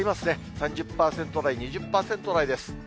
３０％台、２０％台です。